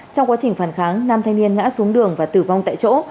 trong quá trình phản kháng năm thanh niên ngã xuống đường và tử vong tại chỗ